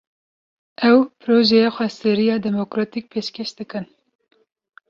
Ew, projeya xweseriya demokratîk pêşkêş dikin